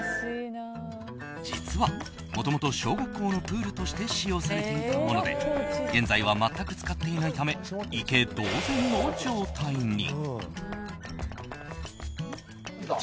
実は、もともと小学校のプールとして使用されていたもので現在は全く使っていないため池同然の状態に。